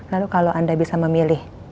lalu kalau anda bisa memilih